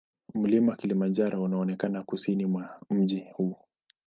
Mlima Kilimanjaro unaonekana kusini mwa mji huu.